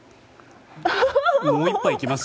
もう１杯いきます？